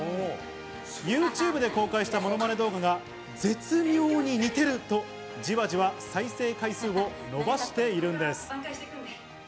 ＹｏｕＴｕｂｅで公開したモノマネ動画が絶妙に似てると、じわじわ再生回数を伸ばしているんです。